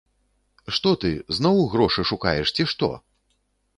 Што ты, зноў грошы шукаеш, ці што?